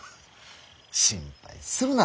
心配するな。